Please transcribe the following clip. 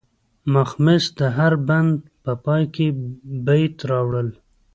د مخمس د هر بند په پای کې بیت راوړل.